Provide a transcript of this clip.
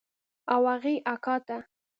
او هغې اکا ته.